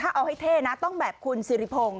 เอาให้เท่นะต้องแบบคุณสิริพงศ์